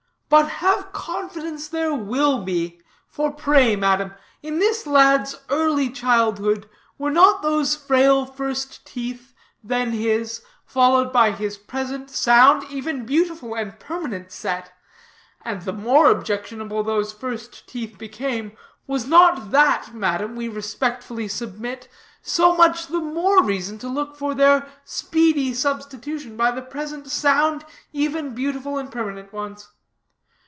'But, have confidence, there will be; for pray, madam, in this lad's early childhood, were not those frail first teeth, then his, followed by his present sound, even, beautiful and permanent set. And the more objectionable those first teeth became, was not that, madam, we respectfully submit, so much the more reason to look for their speedy substitution by the present sound, even, beautiful and permanent ones.'